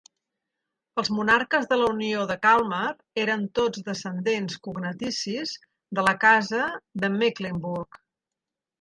Els monarques de la unió de Kalmar eren tots descendents cognaticis de la casa de Mecklenburg.